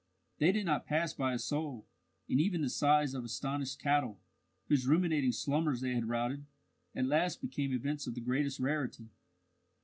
They did not pass by a soul, and even the sighs of astonished cattle, whose ruminating slumbers they had routed, at last became events of the greatest rarity.